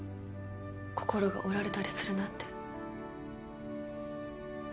心が折られたりするなんて